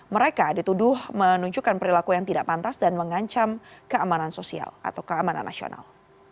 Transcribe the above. mereka dituduh menunjukkan perilaku yang tidak pantas dan mengancam keamanan sosial atau keamanan nasional